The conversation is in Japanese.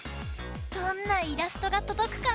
どんなイラストがとどくかな？